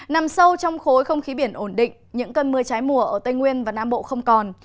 nằm sâu trong khối không khí biển ổn định những cơn mưa trái mùa ở tây nguyên và nam bộ không còn